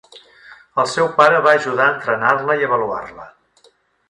El seu pare va ajudar a entrenar-la i a avaluar-la.